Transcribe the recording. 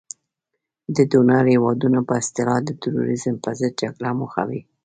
د ډونر هیوادونو په اصطلاح د تروریزم په ضد جګړه موخه وه.